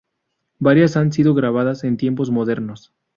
Varias han sido grabadas en tiempos modernos.